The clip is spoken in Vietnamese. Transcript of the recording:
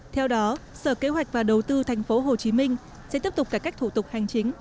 theo đó sở kế hoạch và đầu tư tp hcm sẽ tiếp tục cải cách thủ tục hành chính